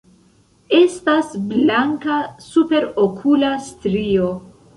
Estas blanka superokula strio.